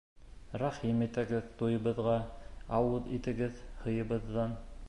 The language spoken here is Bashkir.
Рәхим итегеҙ туйыбыҙға, ауыҙ итегеҙ һыйыбыҙҙан.